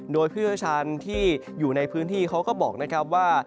โดยผู้เชี่ยวชาญที่อยู่ในพื้นที่เขาก็บอกนะครับว่า